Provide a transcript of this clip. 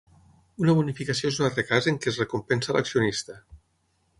Una bonificació és un altre cas en què es recompensa a l'accionista.